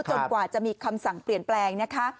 กว่าจะมีคำสั่งเปลี่ยนแปลงนะคะ